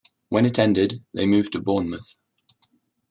When it ended, they moved to Bournemouth.